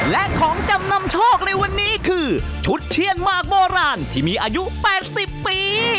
และของจำนำโชคในวันนี้คือชุดเชียนหมากโบราณที่มีอายุ๘๐ปี